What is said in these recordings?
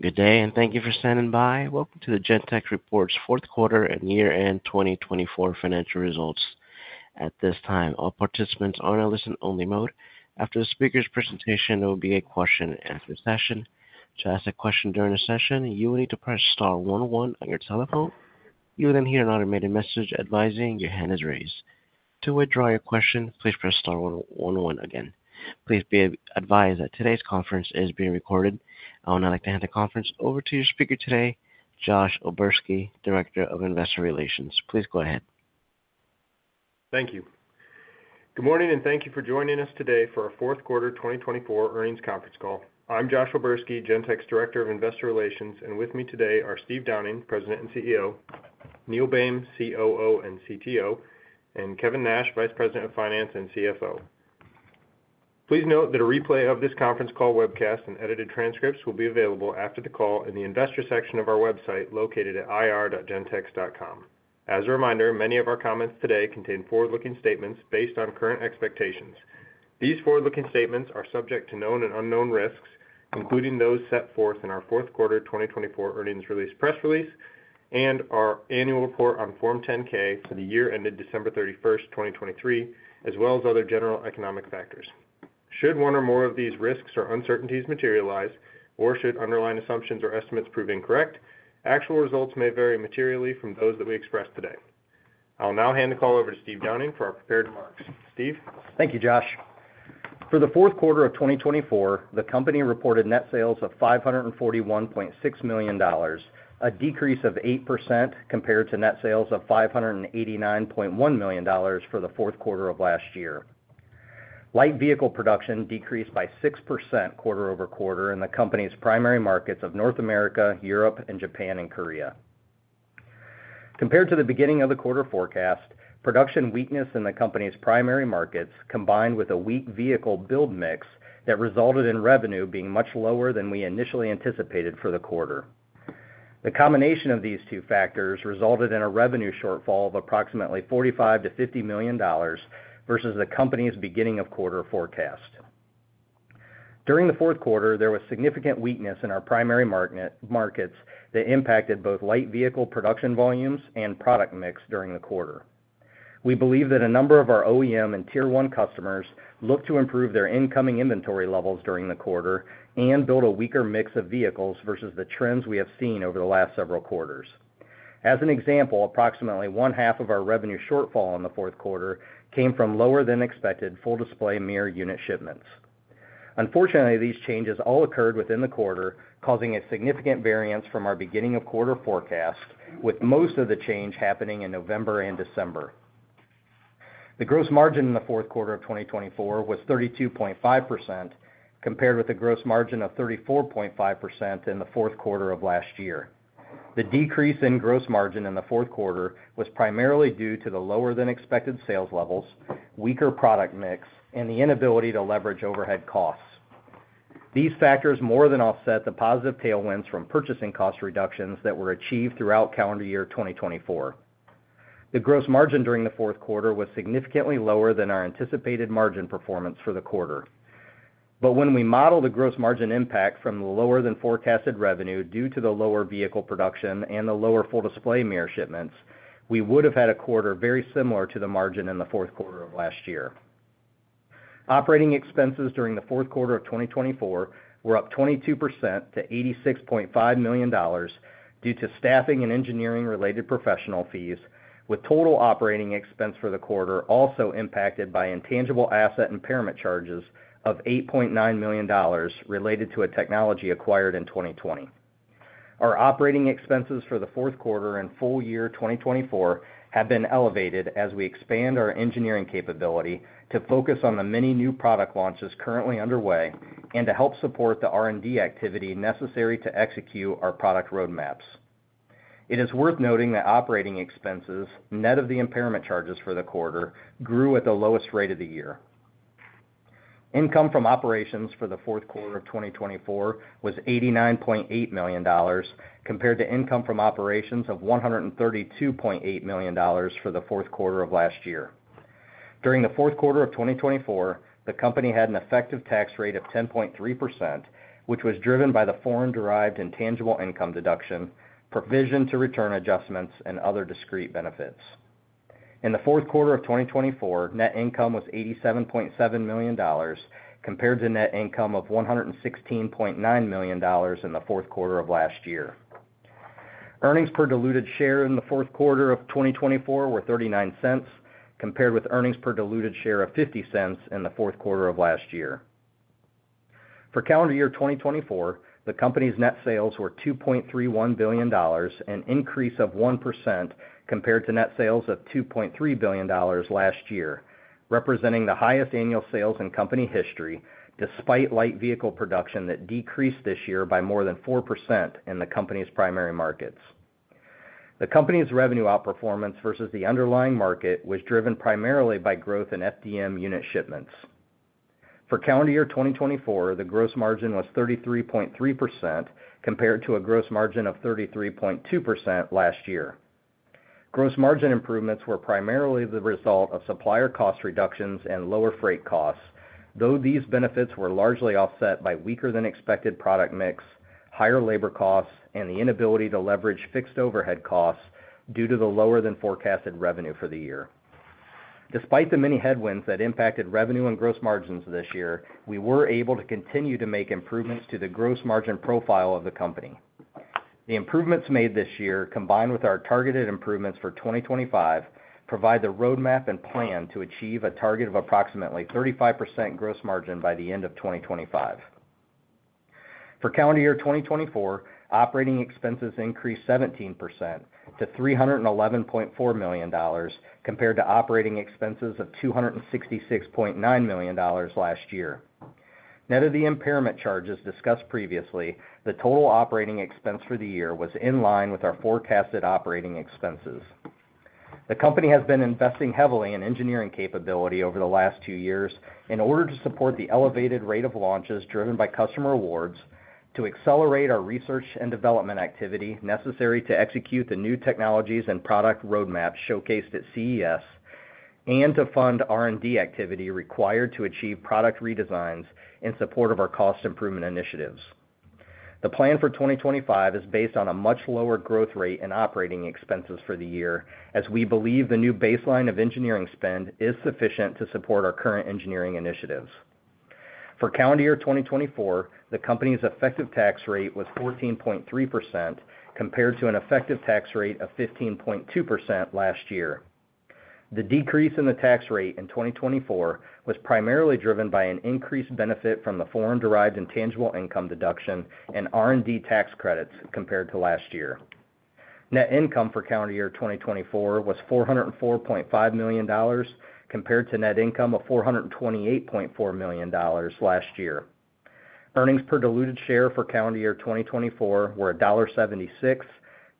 Good day, and thank you for standing by. Welcome to the Gentex Reports Fourth Quarter and Year-End 2024 Financial Results. At this time, all participants are on a listen-only mode. After the speaker's presentation, there will be a question-and-answer session. To ask a question during the session, you will need to press star one one on your telephone. You will then hear an automated message advising your hand is raised. To withdraw your question, please press star one one again. Please be advised that today's conference is being recorded. I would now like to hand the conference over to your speaker today, Josh O'Berski, Director of Investor Relations. Please go ahead. Thank you. Good morning, and thank you for joining us today for our Fourth Quarter 2024 Earnings Conference Call. I'm Josh O'Berski, Gentex Director of Investor Relations, and with me today are Steve Downing, President and CEO, Neil Boehm, COO and CTO, and Kevin Nash, Vice President of Finance and CFO. Please note that a replay of this conference call webcast and edited transcripts will be available after the call in the investor section of our website located at ir.gentex.com. As a reminder, many of our comments today contain forward-looking statements based on current expectations. These forward-looking statements are subject to known and unknown risks, including those set forth in our fourth quarter 2024 earnings release press release and our annual report on Form 10-K for the year ended December 31, 2023, as well as other general economic factors. Should one or more of these risks or uncertainties materialize, or should underlying assumptions or estimates prove incorrect, actual results may vary materially from those that we express today. I will now hand the call over to Steve Downing for our prepared remarks. Steve? Thank you, Josh. For the fourth quarter of 2024, the company reported net sales of $541.6 million, a decrease of 8% compared to net sales of $589.1 million for the fourth quarter of last year. Light vehicle production decreased by 6% quarter-over-quarter in the company's primary markets of North America, Europe, Japan, and Korea. Compared to the beginning of the quarter forecast, production weakness in the company's primary markets combined with a weak vehicle build mix that resulted in revenue being much lower than we initially anticipated for the quarter. The combination of these two factors resulted in a revenue shortfall of approximately $45-$50 million versus the company's beginning of quarter forecast. During the fourth quarter, there was significant weakness in our primary markets that impacted both light vehicle production volumes and product mix during the quarter. We believe that a number of our OEM and Tier 1 customers looked to improve their incoming inventory levels during the quarter and build a weaker mix of vehicles versus the trends we have seen over the last several quarters. As an example, approximately one-half of our revenue shortfall in the fourth quarter came from lower-than-expected Full Display Mirror unit shipments. Unfortunately, these changes all occurred within the quarter, causing a significant variance from our beginning of quarter forecast, with most of the change happening in November and December. The gross margin in the fourth quarter of 2024 was 32.5% compared with a gross margin of 34.5% in the fourth quarter of last year. The decrease in gross margin in the fourth quarter was primarily due to the lower-than-expected sales levels, weaker product mix, and the inability to leverage overhead costs. These factors more than offset the positive tailwinds from purchasing cost reductions that were achieved throughout calendar year 2024. The gross margin during the fourth quarter was significantly lower than our anticipated margin performance for the quarter. But when we model the gross margin impact from the lower-than-forecasted revenue due to the lower vehicle production and the lower Full Display Mirror shipments, we would have had a quarter very similar to the margin in the fourth quarter of last year. Operating expenses during the fourth quarter of 2024 were up 22% to $86.5 million due to staffing and engineering-related professional fees, with total operating expense for the quarter also impacted by intangible asset impairment charges of $8.9 million related to a technology acquired in 2020. Our operating expenses for the fourth quarter and full-year 2024 have been elevated as we expand our engineering capability to focus on the many new product launches currently underway and to help support the R&D activity necessary to execute our product roadmaps. It is worth noting that operating expenses, net of the impairment charges for the quarter, grew at the lowest rate of the year. Income from operations for the fourth quarter of 2024 was $89.8 million compared to income from operations of $132.8 million for the fourth quarter of last year. During the fourth quarter of 2024, the company had an effective tax rate of 10.3%, which was driven by the foreign-derived intangible income deduction, provision to return adjustments, and other discrete benefits. In the fourth quarter of 2024, net income was $87.7 million compared to net income of $116.9 million in the fourth quarter of last year. Earnings per diluted share in the fourth quarter of 2024 were $0.39 compared with earnings per diluted share of $0.50 in the fourth quarter of last year. For calendar year 2024, the company's net sales were $2.31 billion, an increase of 1% compared to net sales of $2.3 billion last year, representing the highest annual sales in company history despite light vehicle production that decreased this year by more than 4% in the company's primary markets. The company's revenue outperformance versus the underlying market was driven primarily by growth in FDM unit shipments. For calendar year 2024, the gross margin was 33.3% compared to a gross margin of 33.2% last year. Gross margin improvements were primarily the result of supplier cost reductions and lower freight costs, though these benefits were largely offset by weaker-than-expected product mix, higher labor costs, and the inability to leverage fixed overhead costs due to the lower-than-forecasted revenue for the year. Despite the many headwinds that impacted revenue and gross margins this year, we were able to continue to make improvements to the gross margin profile of the company. The improvements made this year, combined with our targeted improvements for 2025, provide the roadmap and plan to achieve a target of approximately 35% gross margin by the end of 2025. For calendar year 2024, operating expenses increased 17%-$311.4 million compared to operating expenses of $266.9 million last year. Net of the impairment charges discussed previously, the total operating expense for the year was in line with our forecasted operating expenses. The company has been investing heavily in engineering capability over the last two years in order to support the elevated rate of launches driven by customer awards, to accelerate our research and development activity necessary to execute the new technologies and product roadmaps showcased at CES, and to fund R&D activity required to achieve product redesigns in support of our cost improvement initiatives. The plan for 2025 is based on a much lower growth rate in operating expenses for the year, as we believe the new baseline of engineering spend is sufficient to support our current engineering initiatives. For calendar year 2024, the company's effective tax rate was 14.3% compared to an effective tax rate of 15.2% last year. The decrease in the tax rate in 2024 was primarily driven by an increased benefit from the foreign-derived intangible income deduction and R&D tax credits compared to last year. Net income for calendar year 2024 was $404.5 million compared to net income of $428.4 million last year. Earnings per diluted share for calendar year 2024 were $1.76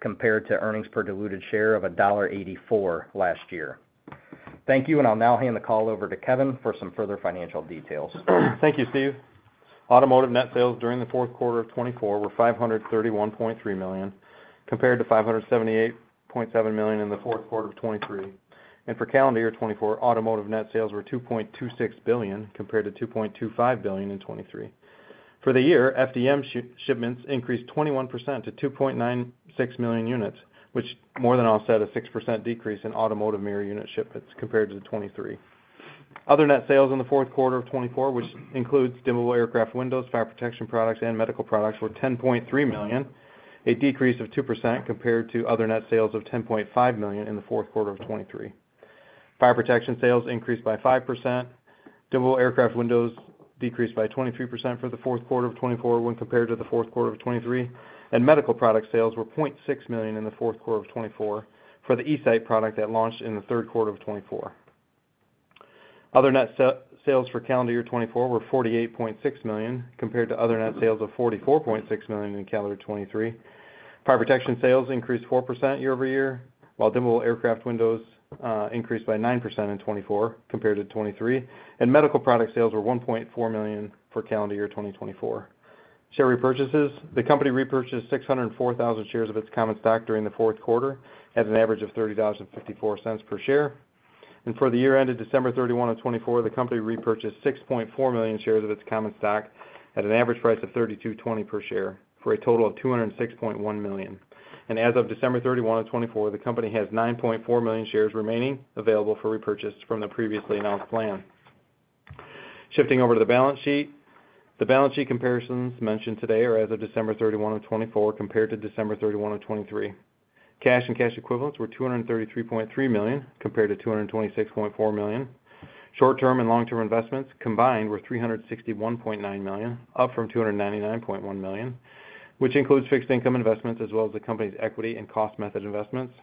compared to earnings per diluted share of $1.84 last year. Thank you, and I'll now hand the call over to Kevin for some further financial details. Thank you, Steve. Automotive net sales during the fourth quarter of 2024 were $531.3 million compared to $578.7 million in the fourth quarter of 2023. And for calendar year 2024, automotive net sales were $2.26 billion compared to $2.25 billion in 2023. For the year, FDM shipments increased 21% to 2.96 million units, which more than offset a 6% decrease in automotive mirror unit shipments compared to 2023. Other net sales in the fourth quarter of 2024, which includes dimmable aircraft windows, fire protection products, and medical products, were $10.3 million, a decrease of 2% compared to other net sales of $10.5 million in the fourth quarter of 2023. Fire protection sales increased by 5%. Dimmable aircraft windows decreased by 23% for the fourth quarter of 2024 when compared to the fourth quarter of 2023. Medical product sales were $0.6 million in the fourth quarter of 2024 for the eSight product that launched in the third quarter of 2024. Other net sales for calendar year 2024 were $48.6 million compared to other net sales of $44.6 million in calendar year 2023. Fire protection sales increased 4% year-over-year, while dimmable aircraft windows increased by 9% in 2024 compared to 2023. Medical product sales were $1.4 million for calendar year 2024. Share repurchases: the company repurchased 604,000 shares of its common stock during the fourth quarter at an average of $30.54 per share. For the year ended December 31, 2024, the company repurchased 6.4 million shares of its common stock at an average price of $32.20 per share for a total of $206.1 million. As of December 31, 2024, the company has 9.4 million shares remaining available for repurchase from the previously announced plan. Shifting over to the balance sheet, the balance sheet comparisons mentioned today are as of December 31, 2024 compared to December 31, 2023. Cash and cash equivalents were $233.3 million compared to $226.4 million. Short-term and long-term investments combined were $361.9 million, up from $299.1 million, which includes fixed income investments as well as the company's equity and cost method investments.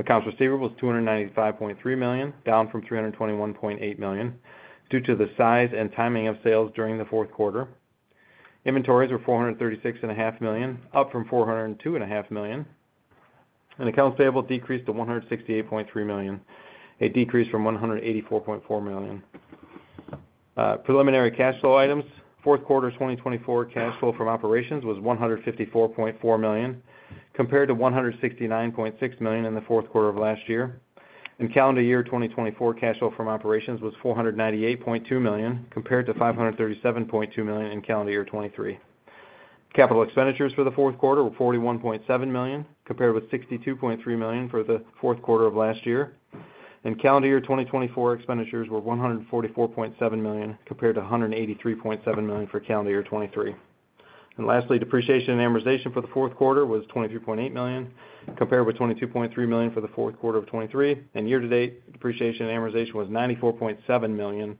Accounts receivable was $295.3 million, down from $321.8 million due to the size and timing of sales during the fourth quarter. Inventories were $436.5 million, up from $402.5 million. Accounts payable decreased to $168.3 million, a decrease from $184.4 million. Preliminary cash flow items: fourth quarter 2024 cash flow from operations was $154.4 million compared to $169.6 million in the fourth quarter of last year. Calendar year 2024 cash flow from operations was $498.2 million compared to $537.2 million in calendar year 2023. Capital expenditures for the fourth quarter were $41.7 million compared with $62.3 million for the fourth quarter of last year. Calendar year 2024 expenditures were $144.7 million compared to $183.7 million for calendar year 2023. Lastly, depreciation and amortization for the fourth quarter was $23.8 million compared with $22.3 million for the fourth quarter of 2023. Year-to-date depreciation and amortization was $94.7 million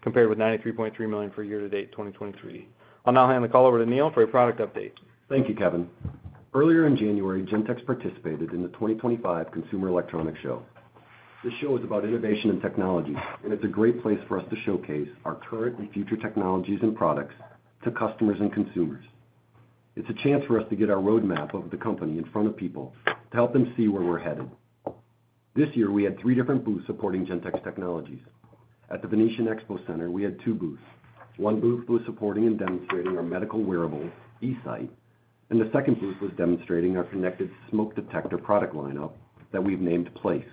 compared with $93.3 million for year-to-date 2023. I'll now hand the call over to Neil for a product update. Thank you, Kevin. Earlier in January, Gentex participated in the 2025 Consumer Electronics Show. This show is about innovation and technology, and it's a great place for us to showcase our current and future technologies and products to customers and consumers. It's a chance for us to get our roadmap of the company in front of people to help them see where we're headed. This year, we had three different booths supporting Gentex technologies. At the Venetian Expo Center, we had two booths. One booth was supporting and demonstrating our medical wearables, eSight, and the second booth was demonstrating our connected smoke detector product lineup that we've named Place.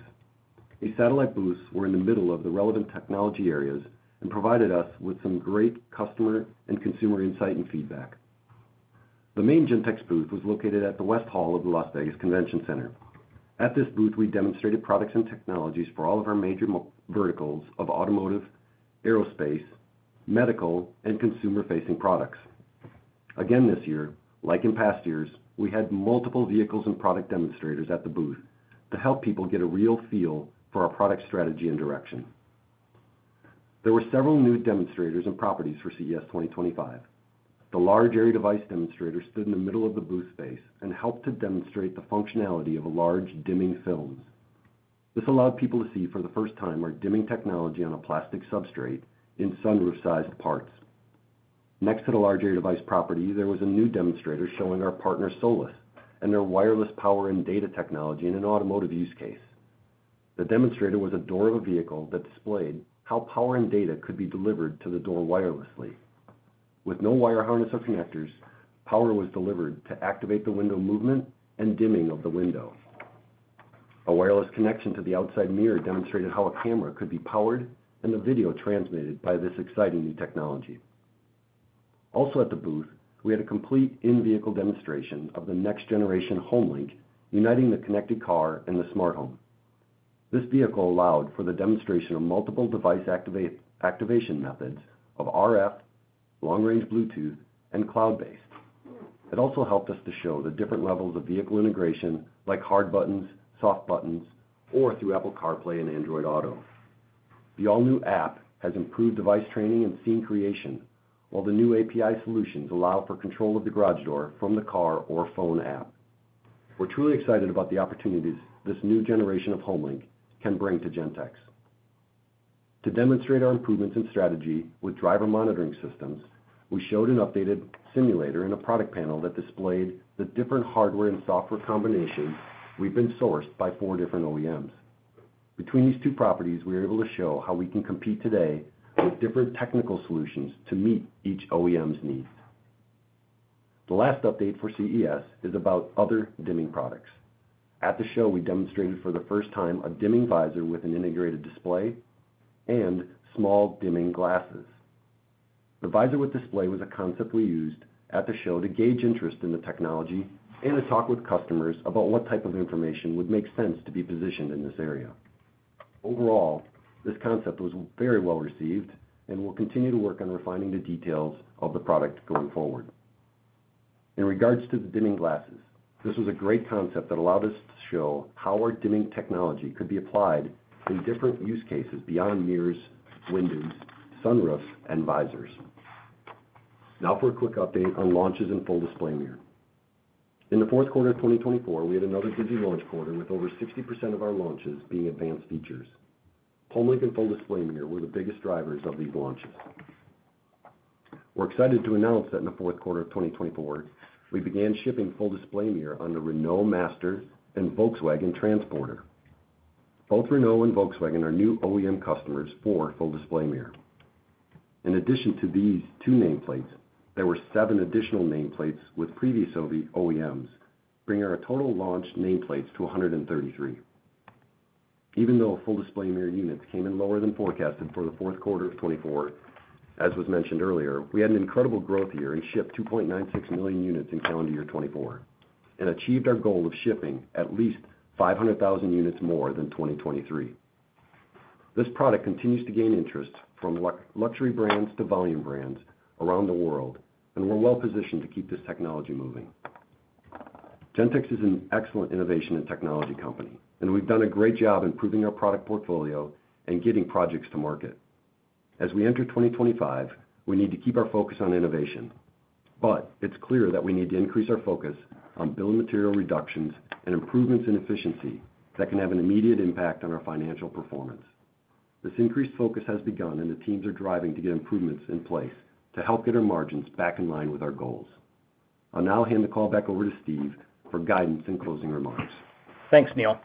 The satellite booths were in the middle of the relevant technology areas and provided us with some great customer and consumer insight and feedback. The main Gentex booth was located at the West Hall of the Las Vegas Convention Center. At this booth, we demonstrated products and technologies for all of our major verticals of automotive, aerospace, medical, and consumer-facing products. Again this year, like in past years, we had multiple vehicles and product demonstrators at the booth to help people get a real feel for our product strategy and direction. There were several new demonstrators and properties for CES 2025. The large area device demonstrator stood in the middle of the booth space and helped to demonstrate the functionality of a large dimming films. This allowed people to see for the first time our dimming technology on a plastic substrate in sunroof-sized parts. Next to the large area device property, there was a new demonstrator showing our partner Solace and their wireless power and data technology in an automotive use case. The demonstrator was a door of a vehicle that displayed how power and data could be delivered to the door wirelessly. With no wire harness or connectors, power was delivered to activate the window movement and dimming of the window. A wireless connection to the outside mirror demonstrated how a camera could be powered and the video transmitted by this exciting new technology. Also at the booth, we had a complete in-vehicle demonstration of the next-generation HomeLink uniting the connected car and the smart home. This vehicle allowed for the demonstration of multiple device activation methods of RF, long-range Bluetooth, and cloud-based. It also helped us to show the different levels of vehicle integration, like hard buttons, soft buttons, or through Apple CarPlay and Android Auto. The all-new app has improved device training and scene creation, while the new API solutions allow for control of the garage door from the car or phone app. We're truly excited about the opportunities this new generation of HomeLink can bring to Gentex. To demonstrate our improvements in strategy with driver monitoring systems, we showed an updated simulator and a product panel that displayed the different hardware and software combinations we've been sourced by four different OEMs. Between these two properties, we were able to show how we can compete today with different technical solutions to meet each OEM's needs. The last update for CES is about other dimming products. At the show, we demonstrated for the first time a dimming visor with an integrated display and small dimming glasses. The visor with display was a concept we used at the show to gauge interest in the technology and to talk with customers about what type of information would make sense to be positioned in this area. Overall, this concept was very well received and will continue to work on refining the details of the product going forward. In regards to the dimming glasses, this was a great concept that allowed us to show how our dimming technology could be applied in different use cases beyond mirrors, windows, sunroofs, and visors. Now for a quick update on launches and Full Display Mirror. In the fourth quarter of 2024, we had another busy launch quarter with over 60% of our launches being advanced features. HomeLink and Full Display Mirror were the biggest drivers of these launches. We're excited to announce that in the fourth quarter of 2024, we began shipping Full Display Mirror on the Renault Master and Volkswagen Transporter. Both Renault and Volkswagen are new OEM customers for Full Display Mirror. In addition to these two nameplates, there were seven additional nameplates with previous OEMs, bringing our total launch nameplates to 133. Even though Full Display Mirror units came in lower than forecasted for the fourth quarter of 2024, as was mentioned earlier, we had an incredible growth year and shipped 2.96 million units in calendar year 2024 and achieved our goal of shipping at least 500,000 units more than 2023. This product continues to gain interest from luxury brands to volume brands around the world, and we're well positioned to keep this technology moving. Gentex is an excellent innovation and technology company, and we've done a great job improving our product portfolio and getting projects to market. As we enter 2025, we need to keep our focus on innovation, but it's clear that we need to increase our focus on bill of material reductions and improvements in efficiency that can have an immediate impact on our financial performance. This increased focus has begun, and the teams are driving to get improvements in place to help get our margins back in line with our goals. I'll now hand the call back over to Steve for guidance and closing remarks. Thanks, Neil.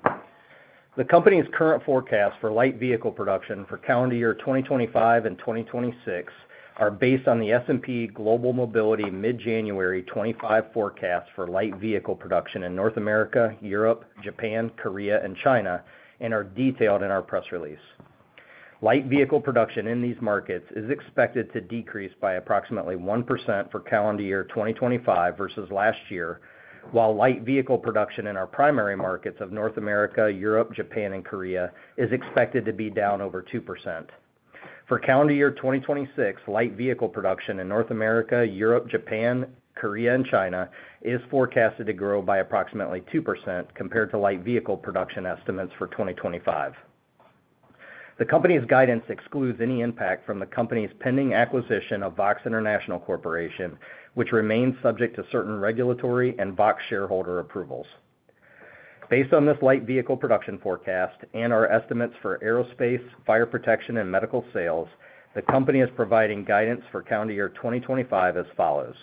The company's current forecast for light vehicle production for calendar year 2025 and 2026 are based on the S&P Global Mobility mid-January 2025 forecast for light vehicle production in North America, Europe, Japan, Korea, and China, and are detailed in our press release. Light vehicle production in these markets is expected to decrease by approximately 1% for calendar year 2025 versus last year, while light vehicle production in our primary markets of North America, Europe, Japan, and Korea is expected to be down over 2%. For calendar year 2026, light vehicle production in North America, Europe, Japan, Korea, and China is forecasted to grow by approximately 2% compared to light vehicle production estimates for 2025. The company's guidance excludes any impact from the company's pending acquisition of VOXX International Corporation, which remains subject to certain regulatory and VOXX shareholder approvals. Based on this light vehicle production forecast and our estimates for aerospace, fire protection, and medical sales, the company is providing guidance for calendar year 2025 as follows.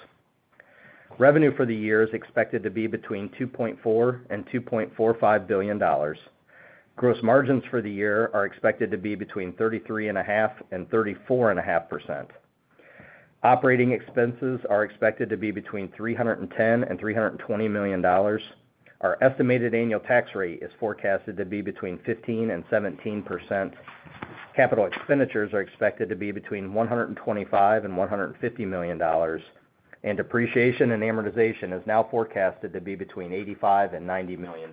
Revenue for the year is expected to be between $2.4-$2.45 billion. Gross margins for the year are expected to be between 33.5%-34.5%. Operating expenses are expected to be between $310-$320 million. Our estimated annual tax rate is forecasted to be between 15%-17%. Capital expenditures are expected to be between $125-$150 million, and depreciation and amortization is now forecasted to be between $85-$90 million.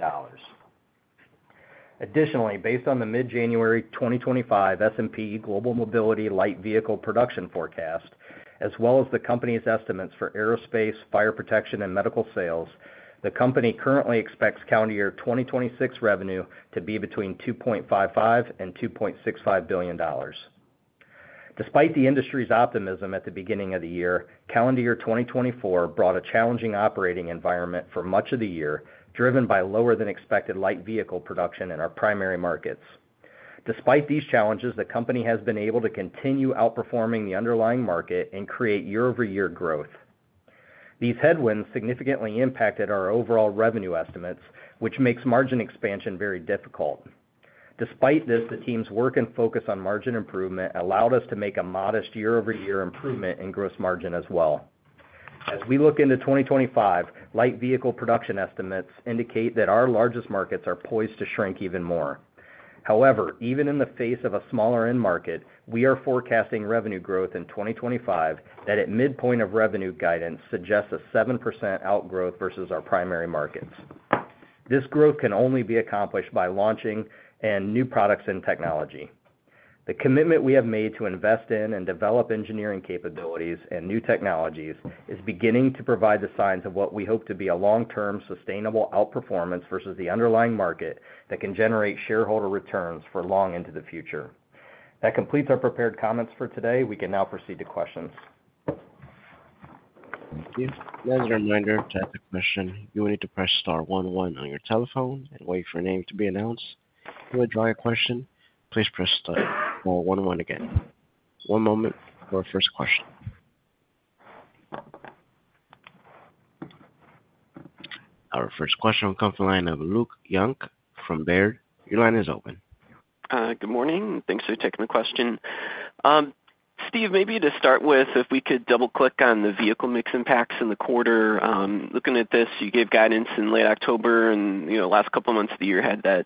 Additionally, based on the mid-January 2025 S&P Global Mobility light vehicle production forecast, as well as the company's estimates for aerospace, fire protection, and medical sales, the company currently expects calendar year 2026 revenue to be between $2.55-$2.65 billion. Despite the industry's optimism at the beginning of the year, calendar year 2024 brought a challenging operating environment for much of the year, driven by lower-than-expected light vehicle production in our primary markets. Despite these challenges, the company has been able to continue outperforming the underlying market and create year-over-year growth. These headwinds significantly impacted our overall revenue estimates, which makes margin expansion very difficult. Despite this, the team's work and focus on margin improvement allowed us to make a modest year-over-year improvement in gross margin as well. As we look into 2025, light vehicle production estimates indicate that our largest markets are poised to shrink even more. However, even in the face of a smaller end market, we are forecasting revenue growth in 2025 that, at midpoint of revenue guidance, suggests a 7% outgrowth versus our primary markets. This growth can only be accomplished by launching new products and technology. The commitment we have made to invest in and develop engineering capabilities and new technologies is beginning to provide the signs of what we hope to be a long-term sustainable outperformance versus the underlying market that can generate shareholder returns for long into the future. That completes our prepared comments for today. We can now proceed to questions. Thank you. As a reminder, to answer a question, you will need to press star one one on your telephone and wait for your name to be announced. You may withdraw a question. Please press star one one again. One moment for our first question. Our first question will come from the line of Luke Junk from Baird. Your line is open. Good morning. Thanks for taking the question. Steve, maybe to start with, if we could double-click on the vehicle mix impacts in the quarter. Looking at this, you gave guidance in late October and last couple of months of the year had that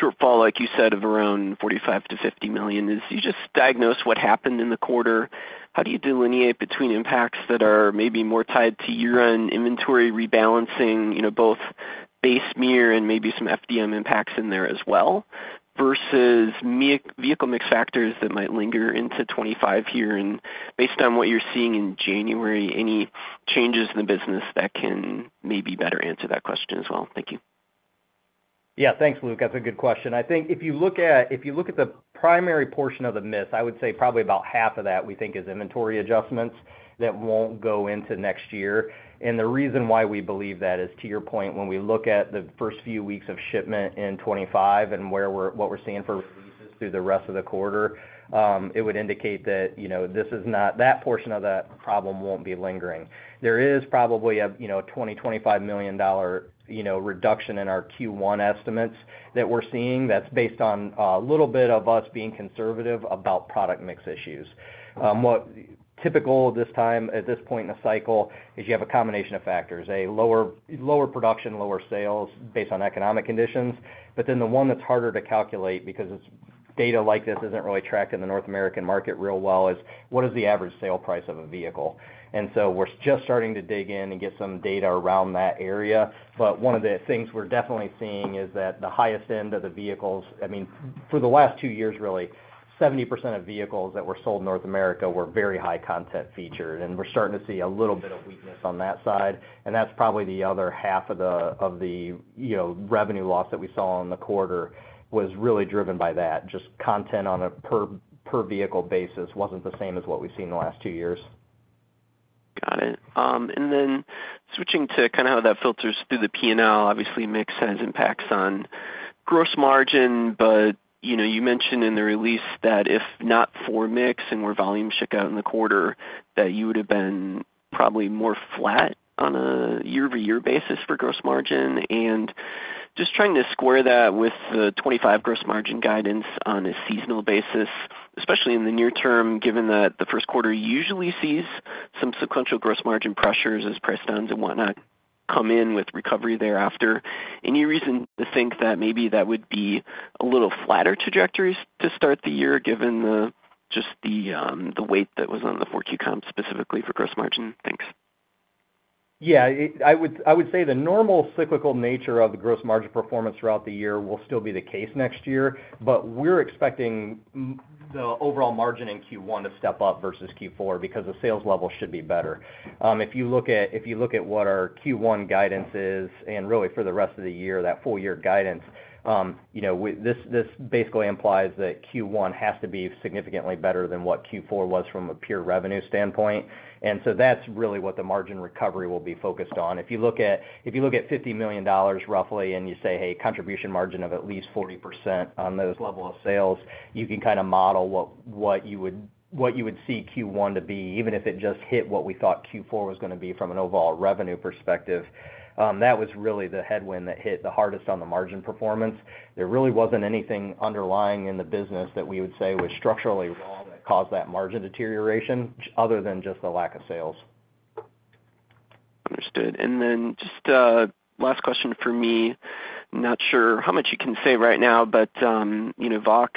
shortfall, like you said, of around 45-50 million. As you just diagnosed what happened in the quarter, how do you delineate between impacts that are maybe more tied to your own inventory rebalancing, both base mirror and maybe some FDM impacts in there as well, versus vehicle mix factors that might linger into 2025 here? And based on what you're seeing in January, any changes in the business that can maybe better answer that question as well? Thank you. Yeah, thanks, Luke. That's a good question. I think if you look at the primary portion of the miss, I would say probably about half of that we think is inventory adjustments that won't go into next year. And the reason why we believe that is, to your point, when we look at the first few weeks of shipment in 2025 and what we're seeing for releases through the rest of the quarter, it would indicate that this is not that portion of that problem won't be lingering. There is probably a $20-$25 million reduction in our Q1 estimates that we're seeing that's based on a little bit of us being conservative about product mix issues. What's typical this time at this point in the cycle is you have a combination of factors: a lower production, lower sales based on economic conditions. But then the one that's harder to calculate because data like this isn't really tracked in the North American market real well is what is the average sale price of a vehicle? And so we're just starting to dig in and get some data around that area. But one of the things we're definitely seeing is that the highest end of the vehicles, I mean, for the last two years, really, 70% of vehicles that were sold in North America were very high-content featured, and we're starting to see a little bit of weakness on that side. And that's probably the other half of the revenue loss that we saw in the quarter was really driven by that. Just content on a per-vehicle basis wasn't the same as what we've seen in the last two years. Got it. And then switching to kind of how that filters through the P&L, obviously, mix has impacts on gross margin, but you mentioned in the release that if not for mix and where volumes shook out in the quarter, that you would have been probably more flat on a year-over-year basis for gross margin. And just trying to square that with the 2025 gross margin guidance on a seasonal basis, especially in the near term, given that the first quarter usually sees some sequential gross margin pressures as price downs and whatnot come in with recovery thereafter, any reason to think that maybe that would be a little flatter trajectories to start the year given just the weight that was on the four-Q comp specifically for gross margin? Thanks. Yeah, I would say the normal cyclical nature of the gross margin performance throughout the year will still be the case next year, but we're expecting the overall margin in Q1 to step up versus Q4 because the sales level should be better. If you look at what our Q1 guidance is and really for the rest of the year, that full-year guidance, this basically implies that Q1 has to be significantly better than what Q4 was from a pure revenue standpoint. And so that's really what the margin recovery will be focused on. If you look at $50 million, roughly, and you say, "Hey, contribution margin of at least 40% on those level of sales," you can kind of model what you would see Q1 to be, even if it just hit what we thought Q4 was going to be from an overall revenue perspective. That was really the headwind that hit the hardest on the margin performance. There really wasn't anything underlying in the business that we would say was structurally wrong that caused that margin deterioration other than just the lack of sales. Understood. And then just last question for me. Not sure how much you can say right now, but VOXX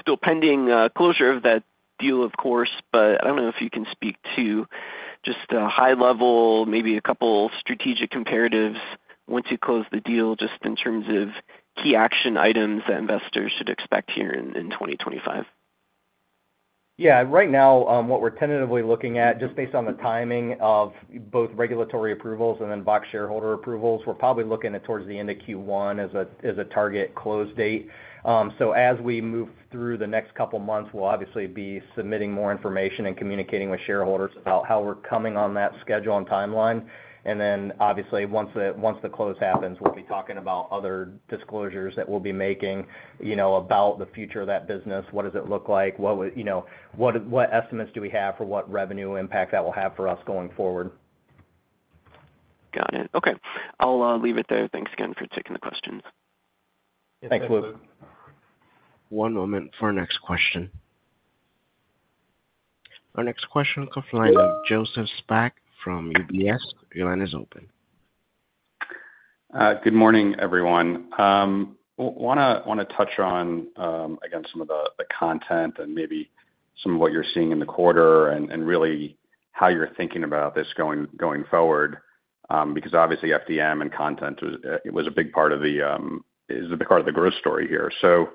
still pending closure of that deal, of course, but I don't know if you can speak to just a high-level, maybe a couple of strategic comparatives once you close the deal, just in terms of key action items that investors should expect here in 2025. Yeah, right now, what we're tentatively looking at, just based on the timing of both regulatory approvals and then VOXX shareholder approvals, we're probably looking at towards the end of Q1 as a target close date. So as we move through the next couple of months, we'll obviously be submitting more information and communicating with shareholders about how we're coming on that schedule and timeline. And then, obviously, once the close happens, we'll be talking about other disclosures that we'll be making about the future of that business. What does it look like? What estimates do we have for what revenue impact that will have for us going forward? Got it. Okay. I'll leave it there. Thanks again for taking the questions. Thanks, Luke. One moment for our next question. Our next question comes from the line of Joseph Spak from UBS. Your line is open. Good morning, everyone. Want to touch on, again, some of the content and maybe some of what you're seeing in the quarter and really how you're thinking about this going forward because, obviously, FDM and content is a big part of the growth story here. So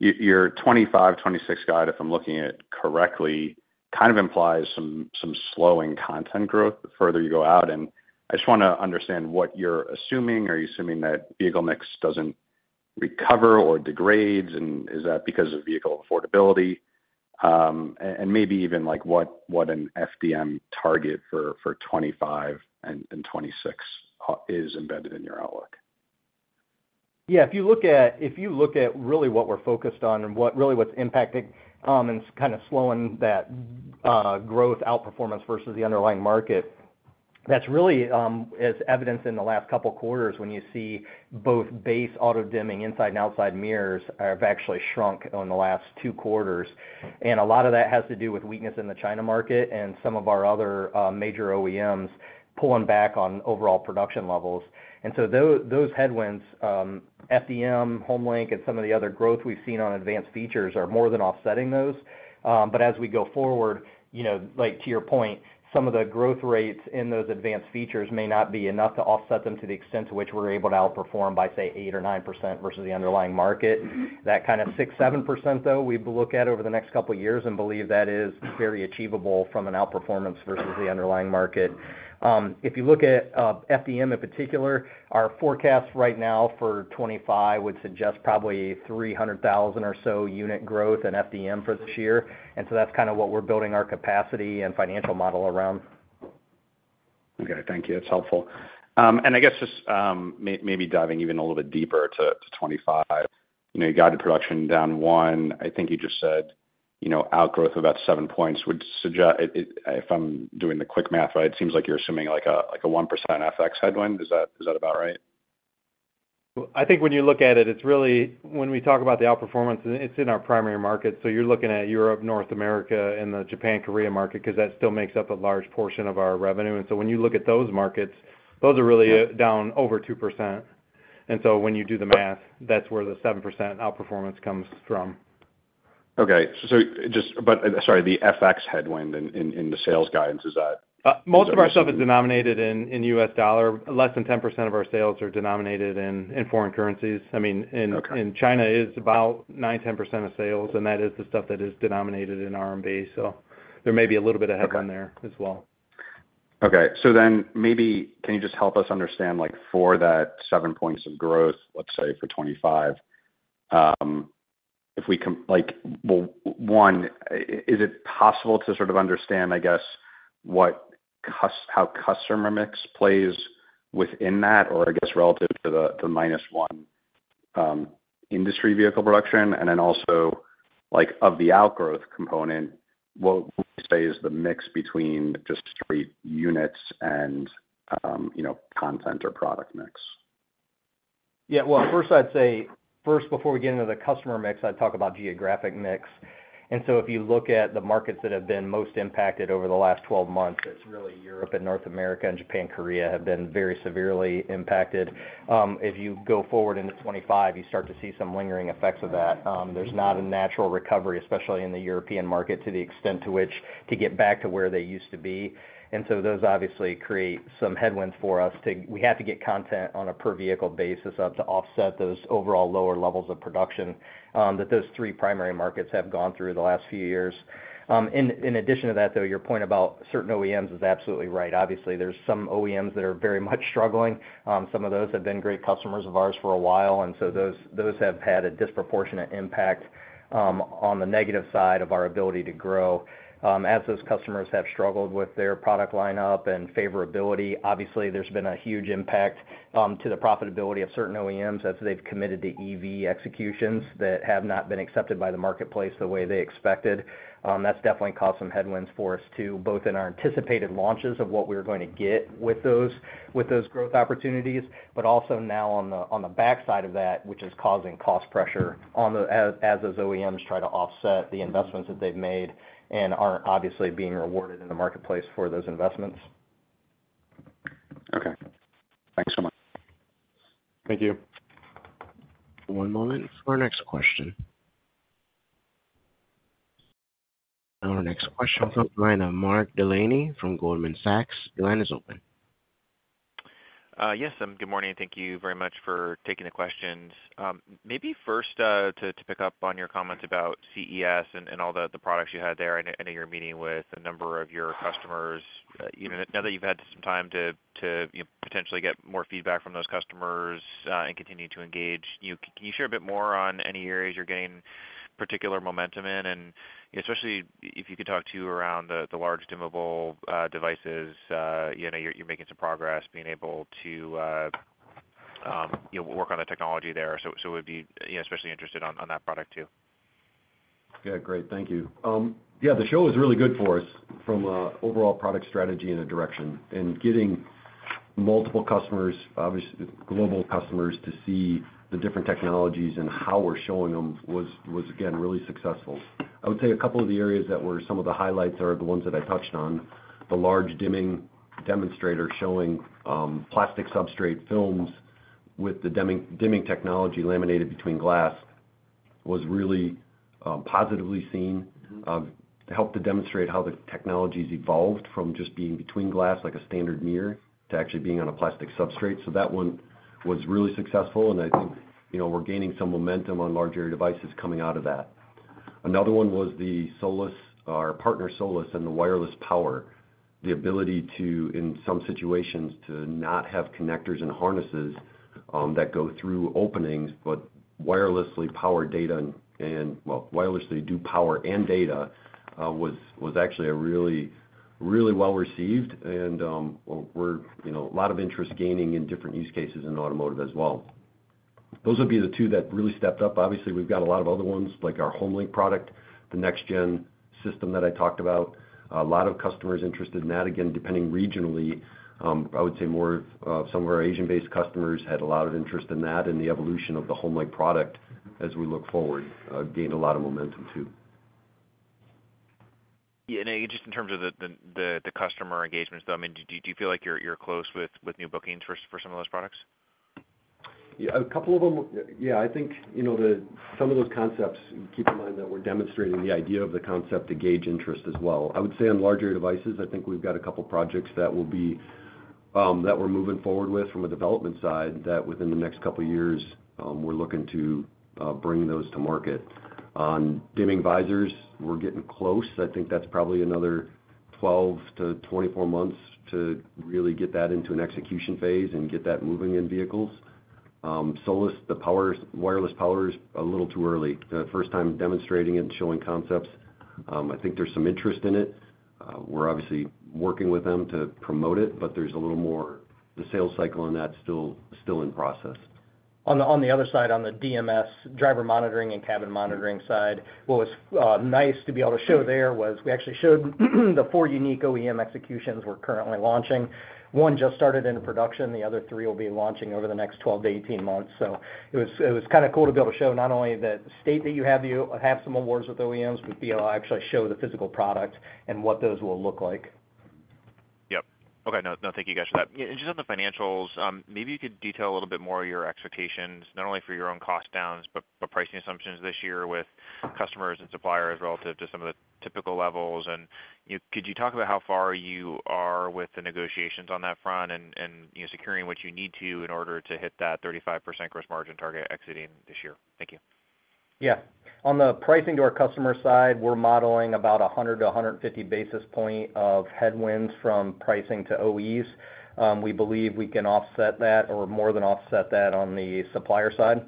your 2025, 2026 guide, if I'm looking at it correctly, kind of implies some slowing content growth the further you go out. And I just want to understand what you're assuming. Are you assuming that vehicle mix doesn't recover or degrades? And is that because of vehicle affordability? And maybe even what an FDM target for 2025 and 2026 is embedded in your outlook? Yeah, if you look at really what we're focused on and really what's impacting and kind of slowing that growth outperformance versus the underlying market, that's really as evidenced in the last couple of quarters when you see both base Auto-Dimming inside and outside mirrors have actually shrunk in the last two quarters. And a lot of that has to do with weakness in the China market and some of our other major OEMs pulling back on overall production levels. And so those headwinds, FDM, HomeLink, and some of the other growth we've seen on advanced features are more than offsetting those. But as we go forward, to your point, some of the growth rates in those advanced features may not be enough to offset them to the extent to which we're able to outperform by, say, 8% or 9% versus the underlying market. That kind of 6%-7%, though, we look at over the next couple of years and believe that is very achievable from an outperformance versus the underlying market. If you look at FDM in particular, our forecast right now for 2025 would suggest probably 300,000 or so unit growth in FDM for this year, and so that's kind of what we're building our capacity and financial model around. Okay. Thank you. That's helpful. And I guess just maybe diving even a little bit deeper to 2025, you guided production down one. I think you just said outgrowth of about seven points would suggest, if I'm doing the quick math, right, it seems like you're assuming like a 1% FX headwind. Is that about right? I think when you look at it, it's really when we talk about the outperformance, it's in our primary market. So you're looking at Europe and North America and the Japan and Korea market because that still makes up a large portion of our revenue. And so when you look at those markets, those are really down over 2%. And so when you do the math, that's where the 7% outperformance comes from. Okay. But sorry, the FX headwind in the sales guidance, is that? Most of our stuff is denominated in U.S. dollar. Less than 10% of our sales are denominated in foreign currencies. I mean, in China, it's about 9-10% of sales, and that is the stuff that is denominated in RMB. So there may be a little bit of headwind there as well. Okay. So then maybe can you just help us understand for that 7 points of growth, let's say, for 2025, if we can one, is it possible to sort of understand, I guess, how customer mix plays within that or, I guess, relative to the minus one industry vehicle production? And then also, of the outgrowth component, what would you say is the mix between just straight units and content or product mix? Yeah. Well, first, I'd say first, before we get into the customer mix, I'd talk about geographic mix. And so if you look at the markets that have been most impacted over the last 12 months, it's really Europe and North America and Japan and Korea have been very severely impacted. If you go forward into 2025, you start to see some lingering effects of that. There's not a natural recovery, especially in the European market, to the extent to which to get back to where they used to be. And so those obviously create some headwinds for us. We have to get content on a per-vehicle basis up to offset those overall lower levels of production that those three primary markets have gone through the last few years. In addition to that, though, your point about certain OEMs is absolutely right. Obviously, there's some OEMs that are very much struggling. Some of those have been great customers of ours for a while, and so those have had a disproportionate impact on the negative side of our ability to grow. As those customers have struggled with their product lineup and favorability, obviously, there's been a huge impact to the profitability of certain OEMs as they've committed to EV executions that have not been accepted by the marketplace the way they expected. That's definitely caused some headwinds for us too, both in our anticipated launches of what we were going to get with those growth opportunities, but also now on the backside of that, which is causing cost pressure as those OEMs try to offset the investments that they've made and aren't obviously being rewarded in the marketplace for those investments. Okay. Thanks so much. Thank you. One moment for our next question. Our next question comes from Mark Delaney from Goldman Sachs. Your line is open. Yes, good morning. Thank you very much for taking the questions. Maybe first to pick up on your comments about CES and all the products you had there. I know you're meeting with a number of your customers. Now that you've had some time to potentially get more feedback from those customers and continue to engage, can you share a bit more on any areas you're getting particular momentum in? And especially if you could talk to around the large dimmable devices, you're making some progress, being able to work on the technology there. So we'd be especially interested on that product too. Yeah, great. Thank you. Yeah, the show was really good for us from an overall product strategy and a direction. And getting multiple customers, obviously global customers, to see the different technologies and how we're showing them was, again, really successful. I would say a couple of the areas that were some of the highlights are the ones that I touched on. The large dimming demonstrator showing plastic substrate films with the dimming technology laminated between glass was really positively seen to help to demonstrate how the technology has evolved from just being between glass, like a standard mirror, to actually being on a plastic substrate. So that one was really successful, and I think we're gaining some momentum on large area devices coming out of that. Another one was the Solace, our partner Solace, and the wireless power, the ability to, in some situations, to not have connectors and harnesses that go through openings, but wirelessly power data and, well, wirelessly do power and data was actually really, really well received. And we're a lot of interest gaining in different use cases in automotive as well. Those would be the two that really stepped up. Obviously, we've got a lot of other ones, like our HomeLink product, the next-gen system that I talked about. A lot of customers interested in that. Again, depending regionally, I would say more of some of our Asian-based customers had a lot of interest in that and the evolution of the HomeLink product as we look forward gained a lot of momentum too. Yeah. And just in terms of the customer engagements, though, I mean, do you feel like you're close with new bookings for some of those products? Yeah, a couple of them. Yeah, I think some of those concepts, keep in mind that we're demonstrating the idea of the concept to gauge interest as well. I would say on larger devices, I think we've got a couple of projects that we're moving forward with from a development side that within the next couple of years, we're looking to bring those to market. On dimming visors, we're getting close. I think that's probably another 12 to 24 months to really get that into an execution phase and get that moving in vehicles. Solace, the wireless power is a little too early. The first time demonstrating it and showing concepts. I think there's some interest in it. We're obviously working with them to promote it, but there's a little more the sales cycle on that is still in process. On the other side, on the DMS driver monitoring and cabin monitoring side, what was nice to be able to show there was we actually showed the four unique OEM executions we're currently launching. One just started into production. The other three will be launching over the next 12-18 months. So it was kind of cool to be able to show not only the state that you have some awards with OEMs, but be able to actually show the physical product and what those will look like. Yep. Okay. No, thank you, guys, for that. And just on the financials, maybe you could detail a little bit more your expectations, not only for your own cost downs, but pricing assumptions this year with customers and suppliers relative to some of the typical levels. And could you talk about how far you are with the negotiations on that front and securing what you need to in order to hit that 35% gross margin target exiting this year? Thank you. Yeah. On the pricing to our customer side, we're modeling about 100-150 basis points of headwinds from pricing to OEs. We believe we can offset that or more than offset that on the supplier side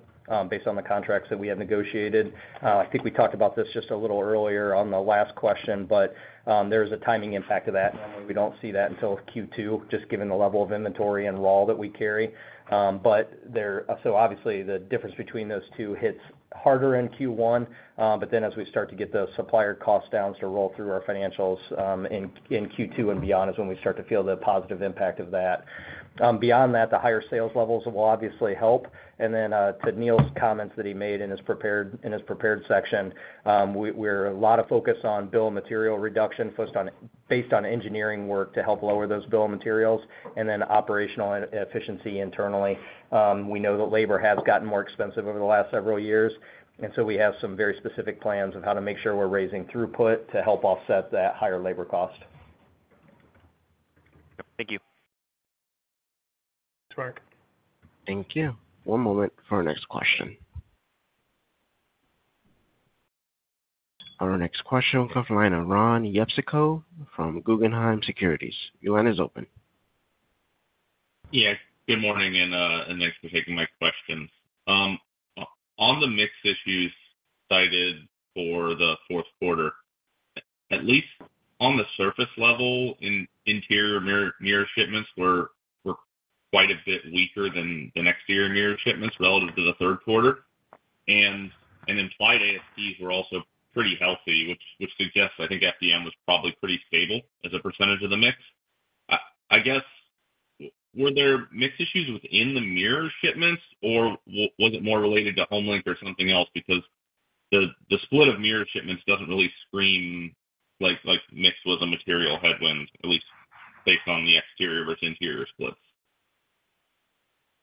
based on the contracts that we have negotiated. I think we talked about this just a little earlier on the last question, but there is a timing impact to that. Normally, we don't see that until Q2, just given the level of inventory and raw that we carry. But so obviously, the difference between those two hits harder in Q1, but then as we start to get those supplier cost downs to roll through our financials in Q2 and beyond is when we start to feel the positive impact of that. Beyond that, the higher sales levels will obviously help. And then, to Neil's comments that he made in his prepared section, there's a lot of focus on bill of materials reduction based on engineering work to help lower those bill of materials, and then operational efficiency internally. We know that labor has gotten more expensive over the last several years, and so we have some very specific plans of how to make sure we're raising throughput to help offset that higher labor cost. Thank you. Thanks, Mark. Thank you. One moment for our next question. Our next question will come from line of Ron Jewsikow from Guggenheim Securities. Your line is open. Yeah. Good morning and thanks for taking my questions. On the mix issues cited for the fourth quarter, at least on the surface level, interior mirror shipments were quite a bit weaker than the exterior mirror shipments relative to the third quarter, and implied ASPs were also pretty healthy, which suggests, I think, FDM was probably pretty stable as a percentage of the mix. I guess, were there mix issues within the mirror shipments, or was it more related to HomeLink or something else? Because the split of mirror shipments doesn't really scream like mix was a material headwind, at least based on the exterior versus interior split.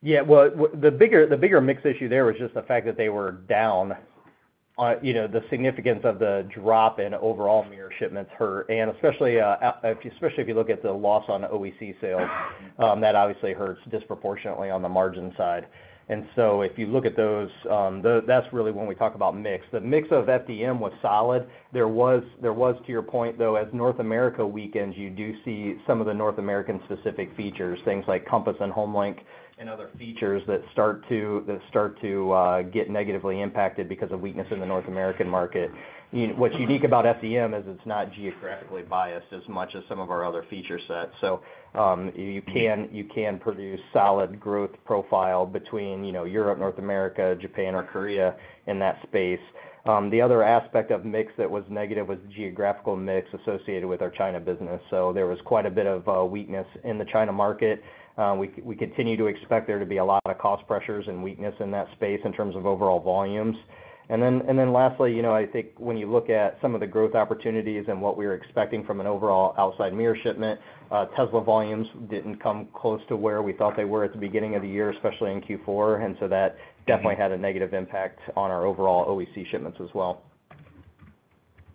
Yeah. Well, the bigger mix issue there was just the fact that they were down. The significance of the drop in overall mirror shipments hurt, and especially if you look at the loss on OEC sales, that obviously hurts disproportionately on the margin side. And so if you look at those, that's really when we talk about mix. The mix of FDM was solid. There was, to your point, though, as North America weakens, you do see some of the North American-specific features, things like Compass and HomeLink and other features that start to get negatively impacted because of weakness in the North American market. What's unique about FDM is it's not geographically biased as much as some of our other feature sets. So you can produce solid growth profile between Europe, North America, Japan, or Korea in that space. The other aspect of mix that was negative was the geographical mix associated with our China business, so there was quite a bit of weakness in the China market. We continue to expect there to be a lot of cost pressures and weakness in that space in terms of overall volumes, and then lastly, I think when you look at some of the growth opportunities and what we were expecting from an overall outside mirror shipment, Tesla volumes didn't come close to where we thought they were at the beginning of the year, especially in Q4, and so that definitely had a negative impact on our overall OEC shipments as well.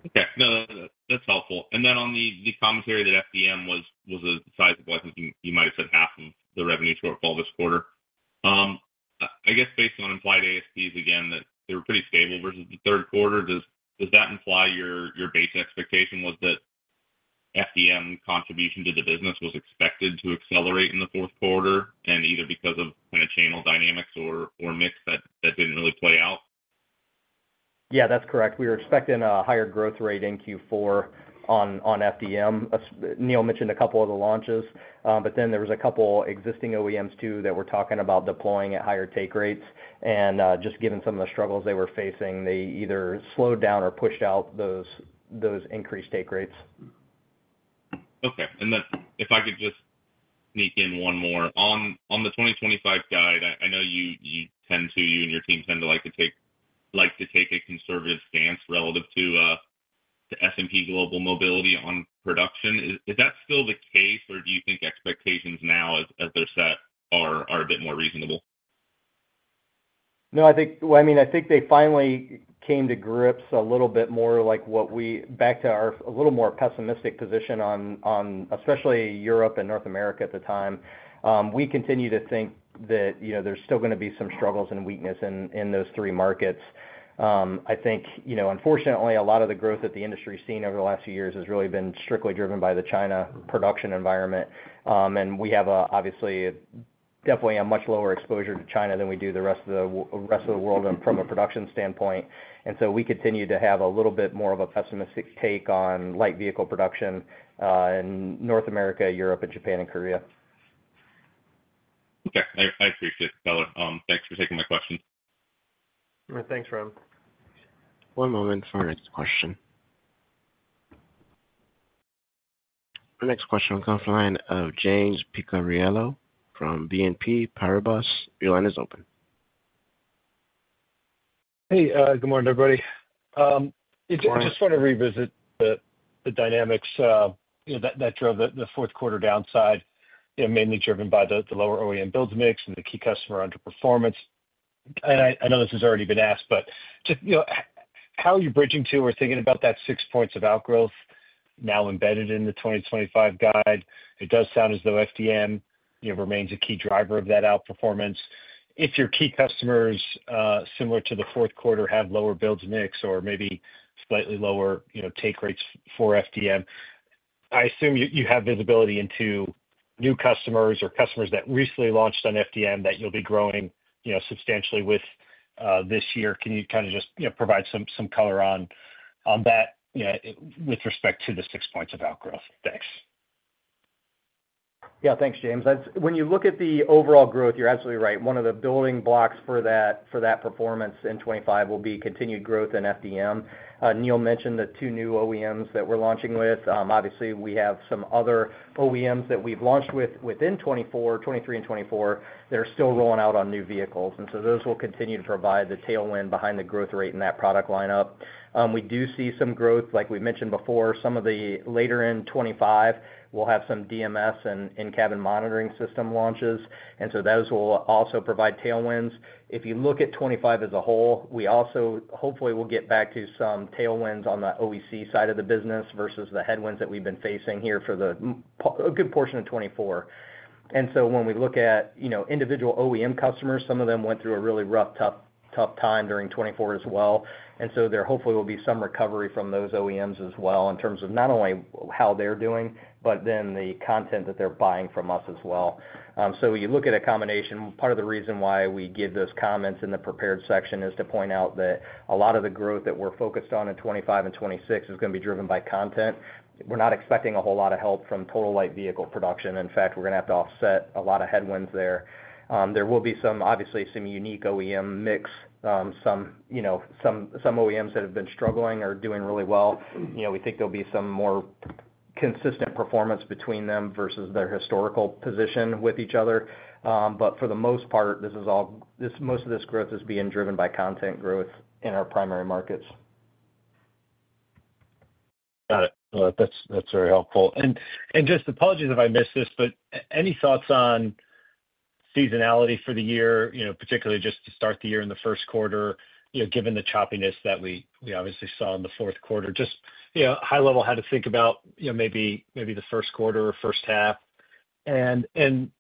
Okay. No, that's helpful. And then on the commentary that FDM was a size of, I think you might have said half of the revenue shortfall this quarter, I guess based on implied ASPs, again, that they were pretty stable versus the third quarter, does that imply your base expectation was that FDM contribution to the business was expected to accelerate in the fourth quarter and either because of kind of channel dynamics or mix that didn't really play out? Yeah, that's correct. We were expecting a higher growth rate in Q4 on FDM. Neil mentioned a couple of the launches, but then there was a couple of existing OEMs too that were talking about deploying at higher take rates, and just given some of the struggles they were facing, they either slowed down or pushed out those increased take rates. Okay. And if I could just sneak in one more. On the 2025 guide, I know you tend to, you and your team tend to like to take a conservative stance relative to S&P Global Mobility on production. Is that still the case, or do you think expectations now, as they're set, are a bit more reasonable? No, I mean, I think they finally came to grips a little bit more like what we back to our a little more pessimistic position on, especially Europe and North America at the time. We continue to think that there's still going to be some struggles and weakness in those three markets. I think, unfortunately, a lot of the growth that the industry has seen over the last few years has really been strictly driven by the China production environment. And we have obviously definitely a much lower exposure to China than we do the rest of the world from a production standpoint. And so we continue to have a little bit more of a pessimistic take on light vehicle production in North America, Europe, and Japan, and Korea. Okay. I appreciate it, fellow. Thanks for taking my questions. Thanks, Ron. One moment for our next question. Our next question will come from the line of James Picariello from BNP Paribas. Your line is open. Hey, good morning, everybody. Just want to revisit the dynamics that drove the fourth quarter downside, mainly driven by the lower OEM builds mix and the key customer underperformance. I know this has already been asked, but how are you bridging to or thinking about that six points of outgrowth now embedded in the 2025 guide? It does sound as though FDM remains a key driver of that outperformance. If your key customers, similar to the fourth quarter, have lower builds mix or maybe slightly lower take rates for FDM, I assume you have visibility into new customers or customers that recently launched on FDM that you'll be growing substantially with this year. Can you kind of just provide some color on that with respect to the six points of outgrowth? Thanks. Yeah, thanks, James. When you look at the overall growth, you're absolutely right. One of the building blocks for that performance in 2025 will be continued growth in FDM. Neil mentioned the two new OEMs that we're launching with. Obviously, we have some other OEMs that we've launched with within 2023 and 2024 that are still rolling out on new vehicles. And so those will continue to provide the tailwind behind the growth rate in that product lineup. We do see some growth, like we mentioned before. Some of the later in 2025, we'll have some DMS and cabin monitoring system launches. And so those will also provide tailwinds. If you look at 2025 as a whole, we also hopefully will get back to some tailwinds on the OEC side of the business versus the headwinds that we've been facing here for a good portion of 2024. And so when we look at individual OEM customers, some of them went through a really rough, tough time during 2024 as well. And so there hopefully will be some recovery from those OEMs as well in terms of not only how they're doing, but then the content that they're buying from us as well. So you look at a combination. Part of the reason why we give those comments in the prepared section is to point out that a lot of the growth that we're focused on in 2025 and 2026 is going to be driven by content. We're not expecting a whole lot of help from total light vehicle production. In fact, we're going to have to offset a lot of headwinds there. There will be some, obviously, some unique OEM mix. Some OEMs that have been struggling are doing really well. We think there'll be some more consistent performance between them versus their historical position with each other. But for the most part, most of this growth is being driven by content growth in our primary markets. Got it. That's very helpful. And just apologies if I missed this, but any thoughts on seasonality for the year, particularly just to start the year in the first quarter, given the choppiness that we obviously saw in the fourth quarter? Just high level how to think about maybe the first quarter or H1. And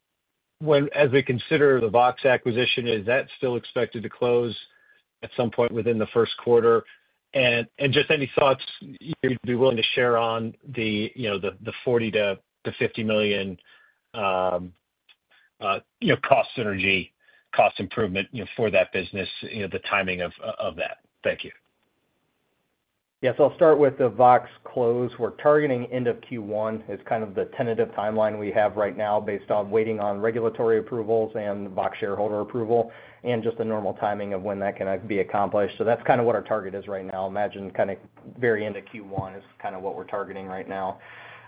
as we consider the VOXX acquisition, is that still expected to close at some point within the first quarter? And just any thoughts you'd be willing to share on the $40-$50 million cost synergy, cost improvement for that business, the timing of that? Thank you. Yeah. So I'll start with the VOXX close. We're targeting end of Q1 is kind of the tentative timeline we have right now based on waiting on regulatory approvals and VOXX shareholder approval and just the normal timing of when that can be accomplished. So that's kind of what our target is right now. Imagine kind of very end of Q1 is kind of what we're targeting right now.